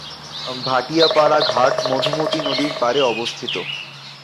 ভাটিয়াপাড়া ঘাট মধুমতি নদীর পাড়ে অবস্থিত।